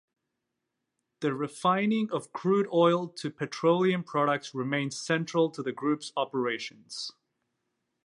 The refining of crude oil to petroleum products remains central to the Group's operations.